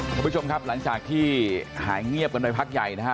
คุณผู้ชมครับหลังจากที่หายเงียบกันไปพักใหญ่นะฮะ